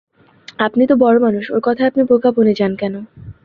আপনি তো বড়ো মানুষ, ওর কথায় আপনি বোকা বনে যান কেন?